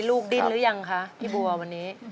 ดิ้นหรือยังคะพี่บัววันนี้